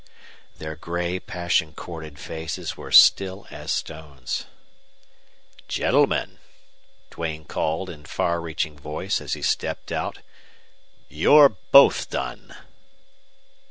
Their gray passion corded faces were still as stones. "GENTLEMEN!" Duane called in far reaching voice as he stepped out. "YOU'RE BOTH DONE!"